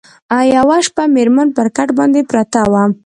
یوه شپه مېرمن پر کټ باندي پرته وه